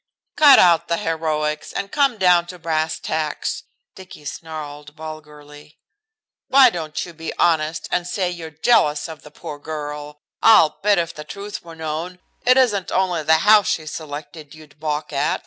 "Cut out the heroics, and come down to brass tacks," Dicky snarled vulgarly. "Why don't you be honest and say you're jealous of the poor girl? I'll bet, if the truth were known, it isn't only the house she selected you'd balk at.